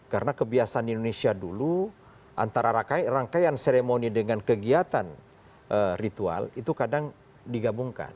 karena kebiasaan indonesia dulu antara rangkaian seremoni dengan kegiatan ritual itu kadang digabungkan